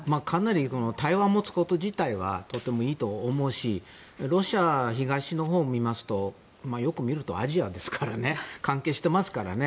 かなり対話を持つこと自体はとてもいいと思うしロシアは東のほうを見ますとよく見るとアジアですからね関係してますからね。